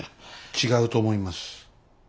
違うと思います。